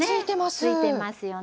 ねついてますよね。